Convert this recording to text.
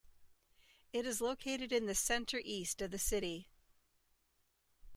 It is located in the centre-east of the city.